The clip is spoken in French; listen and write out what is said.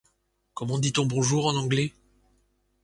Comment dit-on bonjour en anglais ?